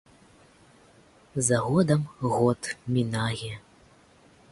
За годам год мінае.